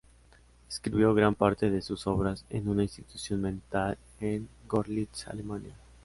Escribió gran parte de sus obras en una institución mental en Görlitz, Alemania.